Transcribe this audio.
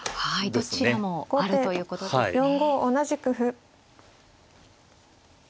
どちらもあるということですね。